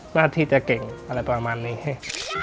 หน้าที่จะเก่งอะไรประมาณนี้